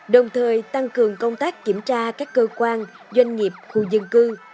đồng thời tăng cường công tác kiểm tra các cơ quan doanh nghiệp khu dân cư